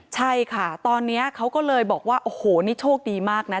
ใช่ค่ะตอนนี้เขาก็เลยบอกว่าโอ้โหนี่โชคดีมากนะ